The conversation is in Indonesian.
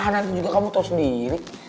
nanti juga kamu tahu sendiri